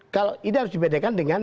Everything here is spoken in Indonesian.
kalau ini harus dibedakan dengan